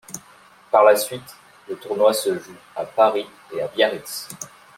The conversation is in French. Par la suite, le tournoi se joue à Paris et à Biarritz.